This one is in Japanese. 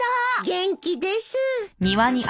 元気です！